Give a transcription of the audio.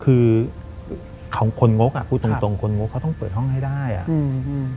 คือของคนงกอ่ะพูดตรงตรงคนงกเขาต้องเปิดห้องให้ได้อ่ะอืม